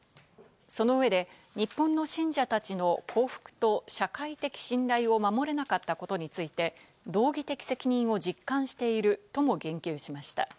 その上で日本の信者たちの幸福と社会的信頼を守れなかったことについて、道義的責任を実感しているとも言及しました。